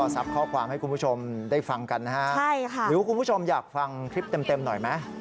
ทรัพย์ข้อความให้คุณผู้ชมได้ฟังกันนะฮะใช่ค่ะหรือคุณผู้ชมอยากฟังคลิปเต็มหน่อยไหม